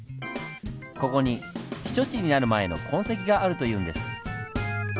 ここに避暑地になる前の痕跡があるというんです。